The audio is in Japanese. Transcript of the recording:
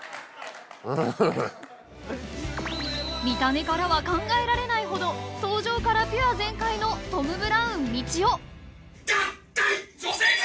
［見た目からは考えられないほど登場からピュア全開のトム・ブラウンみちお］合体！